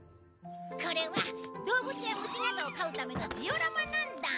これは動物や虫などを飼うためのジオラマなんだ。